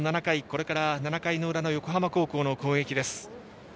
これから７回の裏の横浜高校の攻撃。